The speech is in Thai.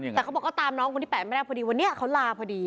แต่เขาบอกไปตามน้องที่แปะได้โปรดีวันนี้เขาน่าร่าโปรดี